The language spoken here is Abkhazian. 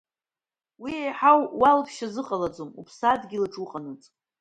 Уи еиҳау уалԥшьа зыҟалаӡом уԥсадгьыл аҿы уҟанаҵы!